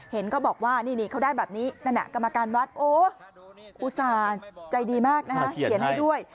ก็บอกว่านี่เขาได้แบบนี้นั่นกรรมการวัดโอ้อุตส่าห์ใจดีมากนะคะเขียนให้ด้วย